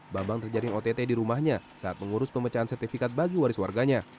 bambang terjaring ott di rumahnya saat mengurus pemecahan sertifikat bagi waris warganya